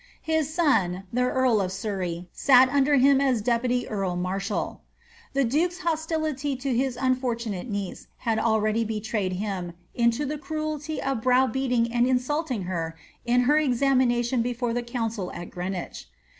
His son, the earl of Surrey, iat under him as deputy earl marshal.' The duke^s hostility to his unfor tunate niece had already betrayed him into the cruelty of brow beating and insulting her in her examination before the council at Greenwich.